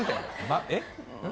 まえっ？